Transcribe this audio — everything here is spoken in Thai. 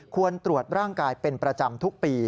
ควรตรวจร่างกายเป็นประจำทุกปี